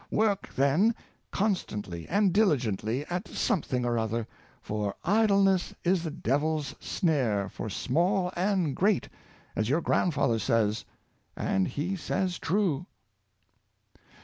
Work, then, constantly and diligently, at something or other; for idleness is the devil's snare for small and great, as your grandfather says, and he says true."